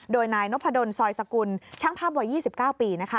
โดยนายนพดลซอยสกุลช่างภาพวัย๒๙ปีนะคะ